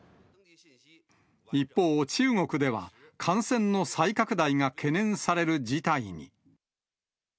一方、中国では感染の再拡大が懸念される事態に。